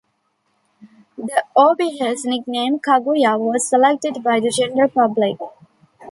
The orbiter's nickname, Kaguya, was selected by the general public.